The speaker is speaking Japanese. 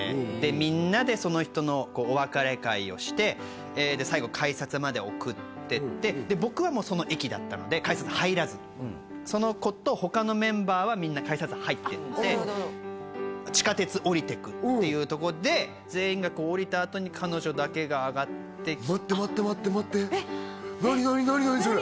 みんなでその人のお別れ会をして最後改札まで送ってって僕はもうその駅だったので改札入らずその子とほかのメンバーはみんな改札入ってって地下鉄下りてくっていうとこで全員が下りたあとに彼女だけが待って待って待って待って何何何何それ？